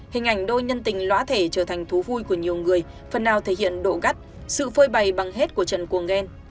hình ảnh đôi nhân tình lõa thể trở thành thú vui của nhiều người phần nào thể hiện độ gắt sự phơi bày bằng hết của trần cuồng ghen